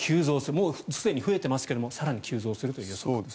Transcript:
もうすでに増えていますけれども更に急増するという予測。